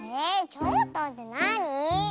ちょっとってなに？